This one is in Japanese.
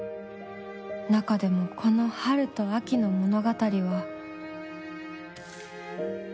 中でもこの『ハルとアキ』の物語は